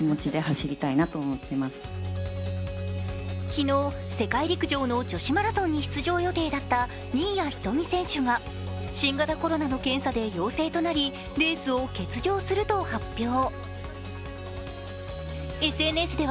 昨日、世界陸上の女子マラソンに出場予定だった新谷仁美選手が、新型コロナの検査で陽性となりレースを欠場すると発表。